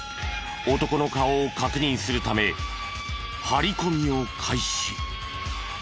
男の顔を確認するため張り込みを開始。